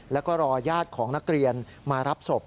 แล้วก็รอญาติของนักเรียนมารับศพ